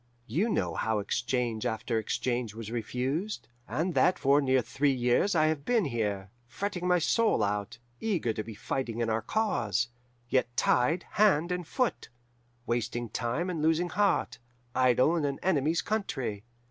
You know how exchange after exchange was refused, and that for near three years I have been here, fretting my soul out, eager to be fighting in our cause, yet tied hand and foot, wasting time and losing heart, idle in an enemy's country.